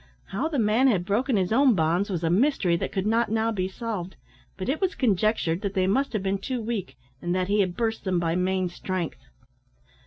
How the man had broken his own bonds was a mystery that could not now be solved, but it was conjectured they must have been too weak, and that he had burst them by main strength.